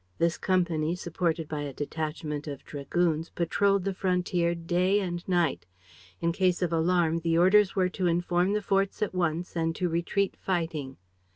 This company, supported by a detachment of dragoons, patrolled the frontier day and night. In case of alarm, the orders were to inform the forts at once and to retreat fighting.